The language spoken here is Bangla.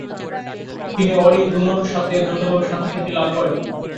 তিনি অঁরি দ্যুনঁ'র সাথে যৌথভাবে শান্তিতে এটি লাভ করেন।